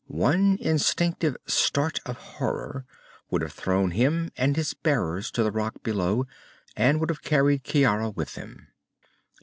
One instinctive start of horror would have thrown him and his bearers to the rock below, and would have carried Ciara with them.